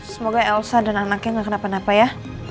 semoga elsa dan anaknya gak kenapa napa ya